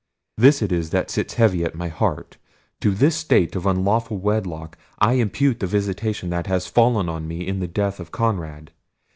This it is that sits heavy at my heart: to this state of unlawful wedlock I impute the visitation that has fallen on me in the death of Conrad!